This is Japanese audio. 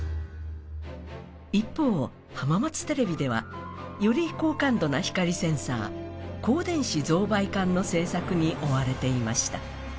一方、浜松テレビではより高感度な光センサー光電子増倍管の製作に追われていました。